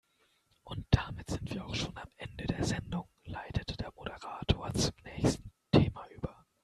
Und damit sind wir auch schon am Ende der Sendung, leitete der Moderator zum nächsten Thema über.